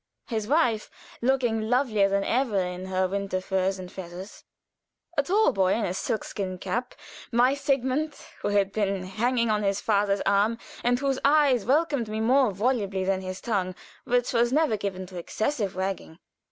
His wife, looking lovelier than ever in her winter furs and feathers. A tall boy in a sealskin cap my Sigmund who had been hanging on his father's arm, and whose eyes welcomed me more volubly than his tongue, which was never given to excessive wagging.